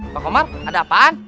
pak omar ada apaan